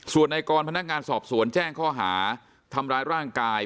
ส่วนในกรพนักงานสอบสวนแจ้งข้อหาทำร้ายร่างกาย